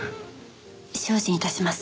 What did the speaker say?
精進致します。